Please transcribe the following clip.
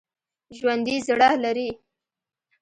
ژوندي زړه لري